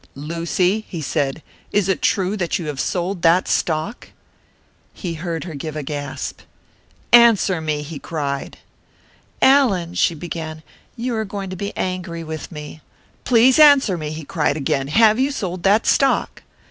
"Lucy," he said, "is it true that you have sold that stock?" He heard her give a gasp. "Answer me!" he cried. "Allan," she began, "you are going to be angry with me " "Please answer me!" he cried again. "Have you sold that stock?"